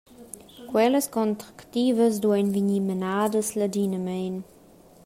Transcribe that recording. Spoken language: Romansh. Quellas contractivas duein vegnir menadas ladinamein.